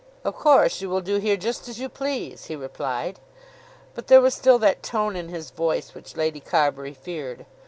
"Of course you will do here just as you please," he replied. But there was still that tone in his voice which Lady Carbury feared.